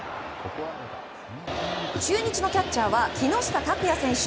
中日のキャッチャーは木下拓哉選手。